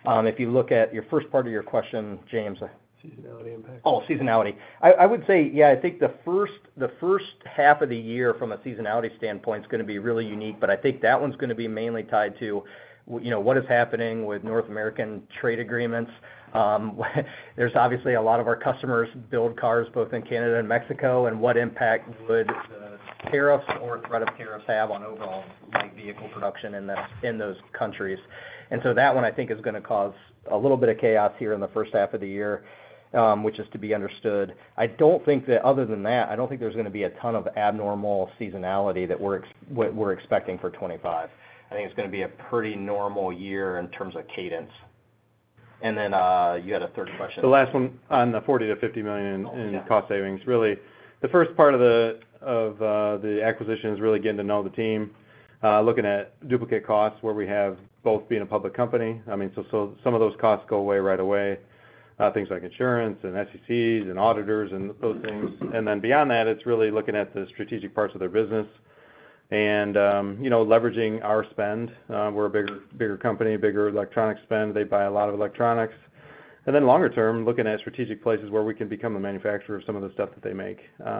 If you look at your first part of your question, James. Seasonality impact. Oh, seasonality. I would say, yeah, I think the H1 of the year from a seasonality standpoint is going to be really unique, but I think that one's going to be mainly tied to what is happening with North American trade agreements. There's obviously a lot of our customers build cars both in Canada and Mexico, and what impact would the tariffs or threat of tariffs have on overall light vehicle production in those countries? And so that one, I think, is going to cause a little bit of chaos here in the H1 of the year, which is to be understood. I don't think that other than that, I don't think there's going to be a ton of abnormal seasonality that we're expecting for 2025. I think it's going to be a pretty normal year in terms of cadence, and then you had a third question. The last one on the $40 million-$50 million in cost savings. Really, the first part of the acquisition is really getting to know the team, looking at duplicate costs where we have both being a public company. I mean, so some of those costs go away right away. Things like insurance and SECs and auditors and those things, and then beyond that, it's really looking at the strategic parts of their business and leveraging our spend. We're a bigger company, bigger electronics spend. They buy a lot of electronics, and then longer term, looking at strategic places where we can become the manufacturer of some of the stuff that they make.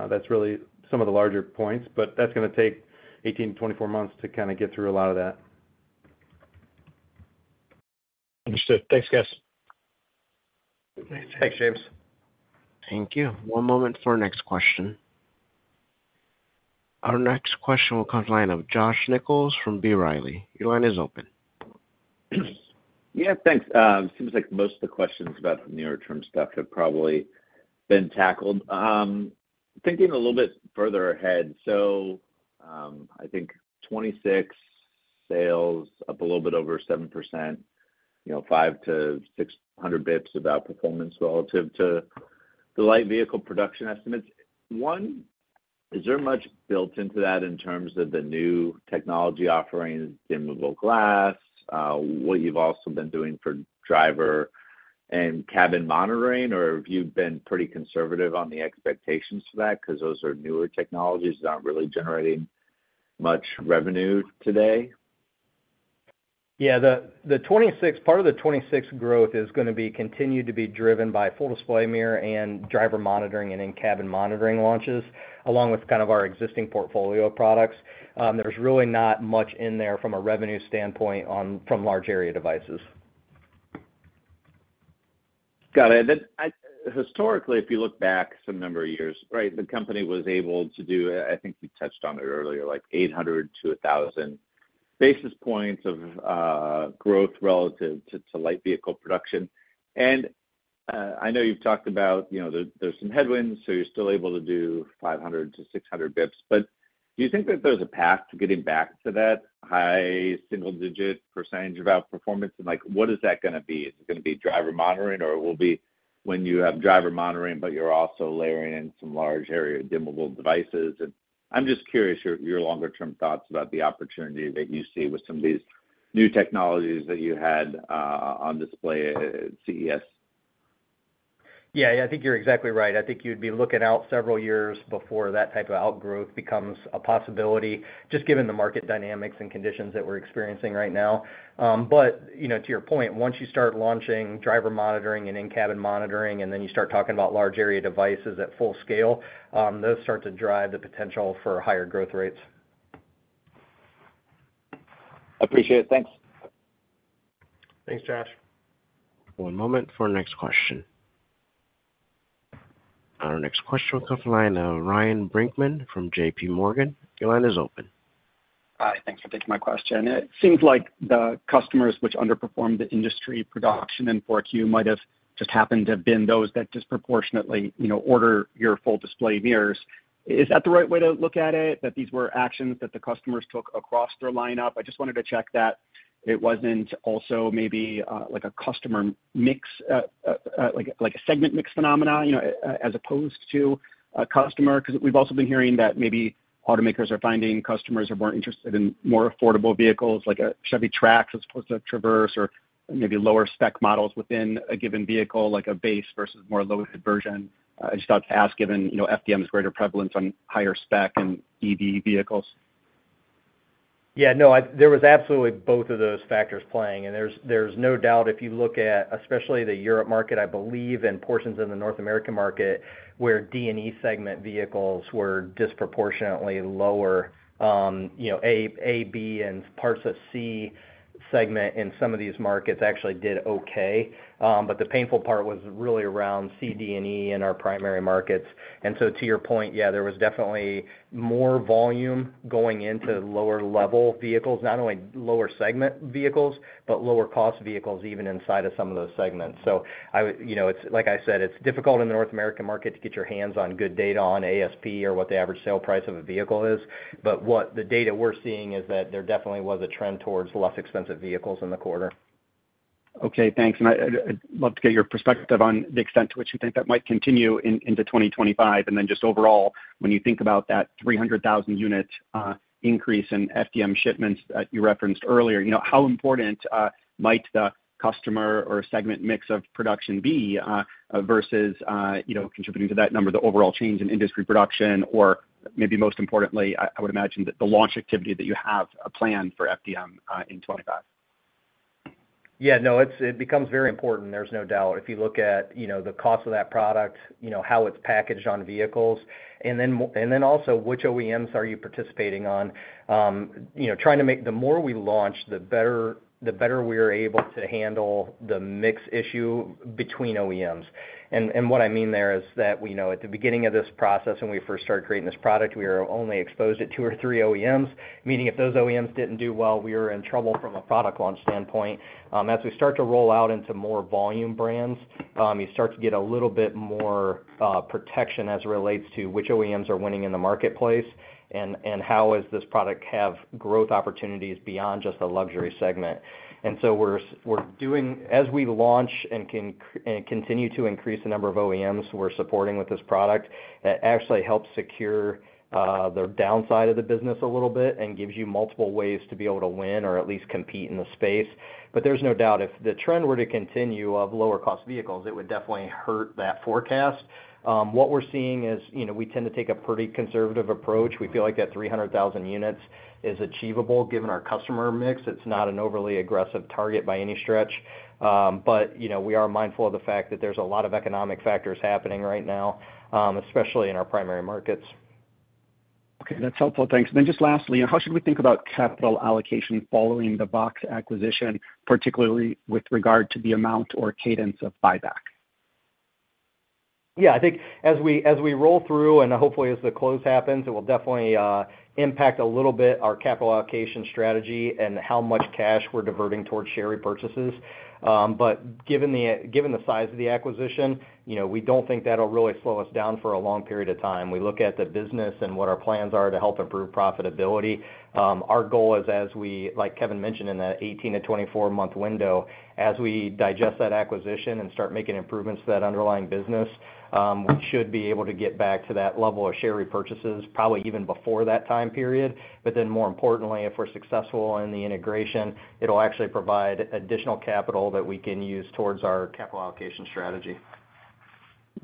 That's really some of the larger points, but that's going to take 18 to 24 months to kind of get through a lot of that. Understood. Thanks, guys. Thanks, James. Thank you. One moment for our next question. Our next question will come from line of Josh Nichols from B. Riley. Your line is open. Yeah, thanks. Seems like most of the questions about the near-term stuff have probably been tackled. Thinking a little bit further ahead, so I think 2026 sales up a little bit over 7%, 5 to 600 basis points of outperformance relative to the light vehicle production estimates. One, is there much built into that in terms of the new technology offerings, dimmable glass, what you've also been doing for driver and cabin monitoring, or have you been pretty conservative on the expectations for that? Because those are newer technologies that aren't really generating much revenue today. Yeah. Part of the 2026 growth is going to continue to be driven by Full Display Mirror and driver monitoring and in-cabin monitoring launches, along with kind of our existing portfolio products. There's really not much in there from a revenue standpoint from large area devices. Got it. Historically, if you look back some number of years, right, the company was able to do, I think you touched on it earlier, like 800-1,000 basis points of growth relative to light vehicle production. And I know you've talked about there's some headwinds, so you're still able to do 500-600 basis points. But do you think that there's a path to getting back to that high single-digit % of outperformance? And what is that going to be? Is it going to be driver monitoring, or it will be when you have driver monitoring, but you're also layering in some large area dimmable devices? And I'm just curious your longer-term thoughts about the opportunity that you see with some of these new technologies that you had on display at CES. Yeah. I think you're exactly right. I think you'd be looking out several years before that type of outgrowth becomes a possibility, just given the market dynamics and conditions that we're experiencing right now. But to your point, once you start launching driver monitoring and in-cabin monitoring, and then you start talking about large area devices at full scale, those start to drive the potential for higher growth rates. Appreciate it. Thanks. Thanks, Josh. One moment for our next question. Our next question will come from line of Ryan Brinkman from JPMorgan. Your line is open. Hi. Thanks for taking my question. It seems like the customers which underperformed the industry production in 4Q might have just happened to have been those that disproportionately order your Full Display Mirrors. Is that the right way to look at it, that these were actions that the customers took across their lineup? I just wanted to check that it wasn't also maybe like a customer mix, like a segment mix phenomenon as opposed to a customer. Because we've also been hearing that maybe automakers are finding customers are more interested in more affordable vehicles like a Chevy Trax as opposed to a Traverse or maybe lower spec models within a given vehicle, like a base versus more limited version. I just thought to ask, given FDM's greater prevalence on higher spec and EV vehicles. Yeah. No, there was absolutely both of those factors playing, and there's no doubt if you look at especially the Europe market, I believe, and portions of the North American market where D and E segment vehicles were disproportionately lower. A, B, and parts of C segment in some of these markets actually did okay, but the painful part was really around C, D, and E in our primary markets, and so to your point, yeah, there was definitely more volume going into lower-level vehicles, not only lower segment vehicles, but lower-cost vehicles even inside of some of those segments, so like I said, it's difficult in the North American market to get your hands on good data on ASP or what the average sale price of a vehicle is, but what the data we're seeing is that there definitely was a trend towards less expensive vehicles in the quarter. Okay. Thanks. And I'd love to get your perspective on the extent to which you think that might continue into 2025. And then just overall, when you think about that 300,000-unit increase in FDM shipments that you referenced earlier, how important might the customer or segment mix of production be versus contributing to that number, the overall change in industry production, or maybe most importantly, I would imagine that the launch activity that you have planned for FDM in 2025? Yeah. No, it becomes very important. There's no doubt. If you look at the cost of that product, how it's packaged on vehicles, and then also which OEMs are you participating on, trying to make the more we launch, the better we are able to handle the mix issue between OEMs. And what I mean there is that at the beginning of this process, when we first started creating this product, we were only exposed to two or three OEMs, meaning if those OEMs didn't do well, we were in trouble from a product launch standpoint. As we start to roll out into more volume brands, you start to get a little bit more protection as it relates to which OEMs are winning in the marketplace and how does this product have growth opportunities beyond just the luxury segment. And so as we launch and continue to increase the number of OEMs we're supporting with this product, that actually helps secure the downside of the business a little bit and gives you multiple ways to be able to win or at least compete in the space. But there's no doubt if the trend were to continue of lower-cost vehicles, it would definitely hurt that forecast. What we're seeing is we tend to take a pretty conservative approach. We feel like that 300,000 units is achievable given our customer mix. It's not an overly aggressive target by any stretch. But we are mindful of the fact that there's a lot of economic factors happening right now, especially in our primary markets. Okay. That's helpful. Thanks. Then just lastly, how should we think about capital allocation following the VOXX acquisition, particularly with regard to the amount or cadence of buyback? Yeah. I think as we roll through and hopefully as the close happens, it will definitely impact a little bit our capital allocation strategy and how much cash we're diverting towards share repurchases. But given the size of the acquisition, we don't think that'll really slow us down for a long period of time. We look at the business and what our plans are to help improve profitability. Our goal is, as we, like Kevin mentioned, in that 18-24-month window, as we digest that acquisition and start making improvements to that underlying business, we should be able to get back to that level of share repurchases probably even before that time period. But then more importantly, if we're successful in the integration, it'll actually provide additional capital that we can use towards our capital allocation strategy.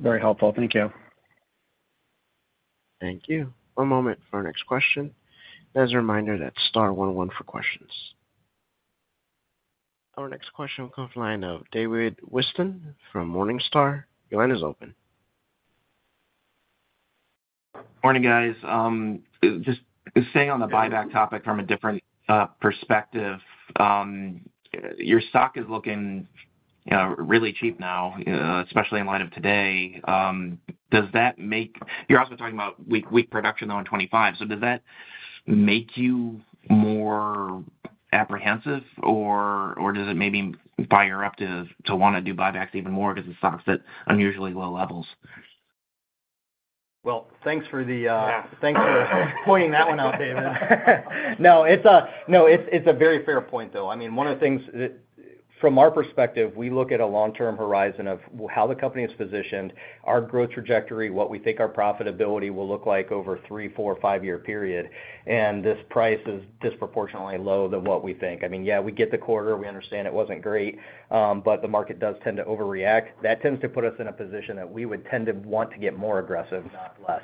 Very helpful. Thank you. Thank you. One moment for our next question. As a reminder, that's star 101 for questions. Our next question will come from the line of David Whiston from Morningstar. Your line is open. Morning, guys. Just staying on the buyback topic from a different perspective, your stock is looking really cheap now, especially in light of today. Does that make you? You're also talking about weak production though in 2025. So does that make you more apprehensive, or does it maybe fire you up to want to do buybacks even more because of the stock's at unusually low levels? Thanks for pointing that one out, David. No, it's a very fair point though. I mean, one of the things from our perspective, we look at a long-term horizon of how the company is positioned, our growth trajectory, what we think our profitability will look like over three, four, five-year period. And this price is disproportionately low than what we think. I mean, yeah, we get the quarter. We understand it wasn't great, but the market does tend to overreact. That tends to put us in a position that we would tend to want to get more aggressive, not less.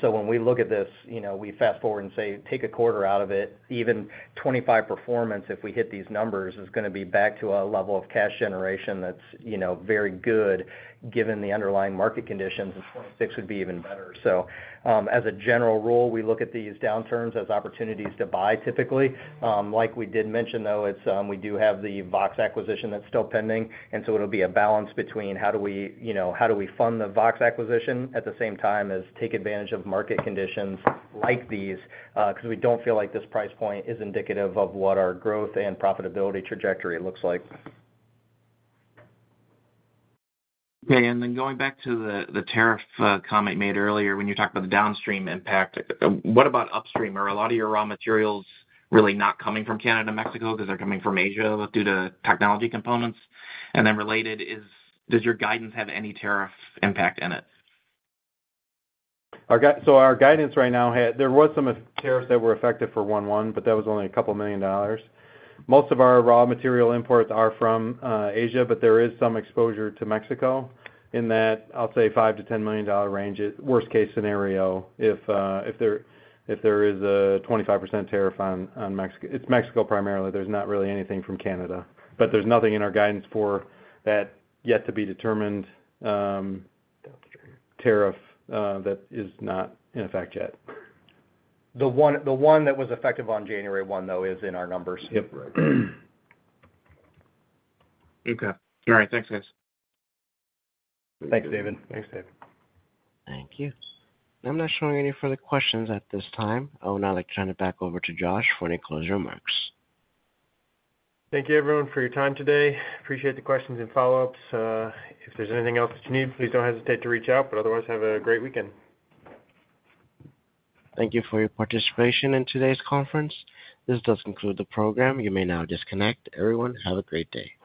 So when we look at this, we fast forward and say, "Take a quarter out of it." Even '25 performance, if we hit these numbers, is going to be back to a level of cash generation that's very good given the underlying market conditions. 26 would be even better. So as a general rule, we look at these downturns as opportunities to buy typically. Like we did mention though, we do have the VOXX acquisition that's still pending. And so it'll be a balance between how do we fund the VOXX acquisition at the same time as take advantage of market conditions like these because we don't feel like this price point is indicative of what our growth and profitability trajectory looks like. Okay. And then going back to the tariff comment made earlier when you talked about the downstream impact, what about upstream? Are a lot of your raw materials really not coming from Canada, Mexico, because they're coming from Asia due to technology components? And then related, does your guidance have any tariff impact in it? Our guidance right now, there were some tariffs that were effective for 2011, but that was only $2 million. Most of our raw material imports are from Asia, but there is some exposure to Mexico in that, I'll say, $5 million-$10 million range. Worst-case scenario, if there is a 25% tariff on Mexico, it's Mexico primarily. There's not really anything from Canada. But there's nothing in our guidance for that yet to be determined tariff that is not in effect yet. The one that was effective on January 1 though is in our numbers. Yep. Right. Okay. All right. Thanks, guys. Thanks, David. Thanks, David. Thank you. I'm not showing any further questions at this time. I would now like to turn it back over to Josh for any closing remarks. Thank you, everyone, for your time today. Appreciate the questions and follow-ups. If there's anything else that you need, please don't hesitate to reach out. But otherwise, have a great weekend. Thank you for your participation in today's conference. This does conclude the program. You may now disconnect. Everyone, have a great day.